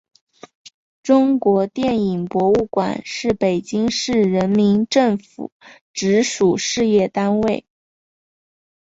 中国电影博物馆是北京市人民政府直属事业单位。